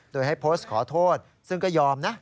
โดยให้โพสต์ขอโทษซึ่งก็ยอมนะ